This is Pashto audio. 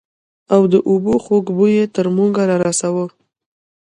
او د اوبو خوږ بوى يې تر موږ رارساوه.